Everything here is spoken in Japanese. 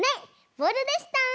ボールでした。